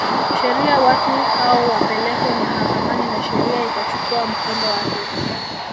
sheria watu hao wapelekwe mahakamani na sheria ikachukua mkondo wake